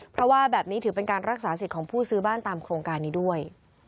เพราะว่าแบบนี้ถือเป็นการรักษาสิทธิ์ของผู้ซื้อบ้านตามโครงการนี้ด้วย